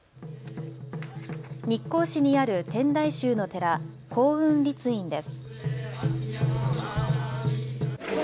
日光市にある天台宗の寺、興雲律院です。